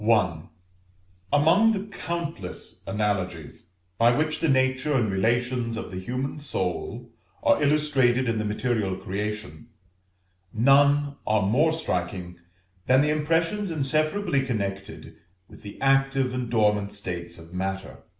Among the countless analogies by which the nature and relations of the human soul are illustrated in the material creation, none are more striking than the impressions inseparably connected with the active and dormant states of matter.